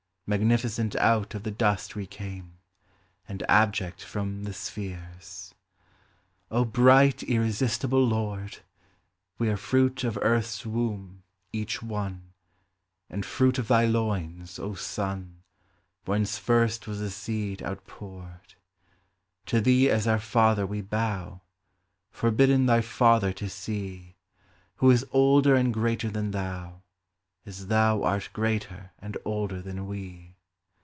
Magnificent out of the dust we came, And abject from the Spheres. 48 ODE IN MAY O bright irresistible lord, We are fruit of Earth's womb, each one, And fruit of thy loins, O Sun, Whence first was the seed outpoured. To thee as our Father we bow, Forbidden thy Father to see, Who is older and greater than thou, as thou Art greater and older than we.